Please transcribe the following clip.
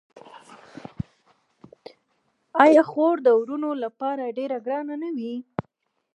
آیا خور د وروڼو لپاره ډیره ګرانه نه وي؟